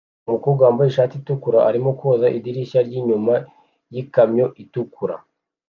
Umukobwa wambaye ishati itukura arimo koza idirishya ryinyuma yikamyo itukura